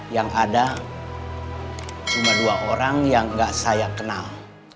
yang ada cuma dua orang yang nggak saya kenal